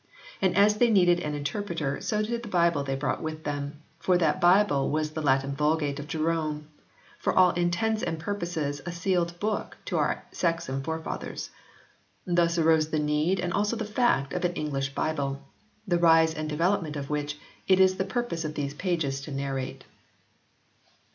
And as they needed an interpreter so did the Bible they brought with them, for that Bible was the Latin Vulgate of Jerome, to all intents and purposes a sealed book to our Saxon forefathers. Thus arose the need and also the fact of an English Bible, the i] ANGLO SAXON VERSIONS 3 rise and development of which it is the purpose of these pages to narrate.